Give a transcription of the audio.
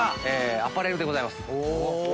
アパレルでございます